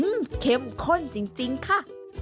อื้อเค็มข้นจริงค่ะ